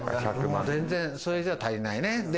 全然、それじゃ足りないね。